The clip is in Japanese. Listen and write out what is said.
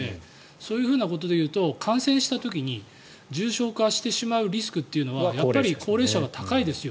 そういうことで言うと感染した時に重症化してしまうリスクはやっぱり高齢者が高いですよ。